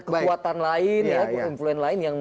kekuatan lain ya influen lain yang